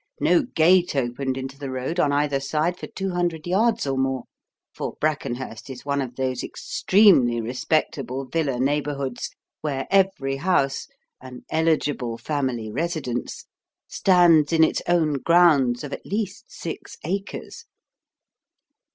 No gate opened into the road on either side for two hundred yards or more; for Brackenhurst is one of those extremely respectable villa neighbourhoods where every house an eligible family residence stands in its own grounds of at least six acres.